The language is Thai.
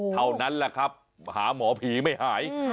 เท่านั้นแหละครับหาหมอผีไม่หาย